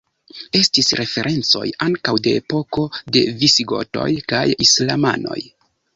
Estis referencoj ankaŭ de epoko de visigotoj kaj islamanoj.